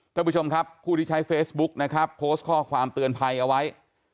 ท่านผู้ชมครับผู้ที่ใช้เฟซบุ๊กนะครับโพสต์ข้อความเตือนภัยเอาไว้